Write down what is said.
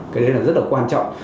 cái đấy là rất là quan trọng